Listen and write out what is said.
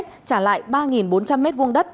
trả lại ba bốn trăm linh m hai đất